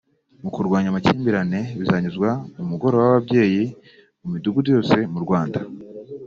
mu kurwanya amakimbirane bizanyuzwa mu mugoroba w’ababyeyi mu midugudu yose mu Rwanda